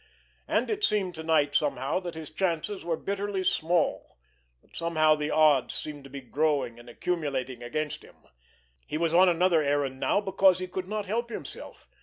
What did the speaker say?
And it seemed to night somehow that his chances were bitterly small, that somehow the odds seemed to be growing and accumulating against him. He was on another errand now, because he could not help himself.